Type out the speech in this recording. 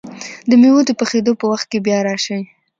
د مېوو د پخېدو په وخت کې بیا راشئ!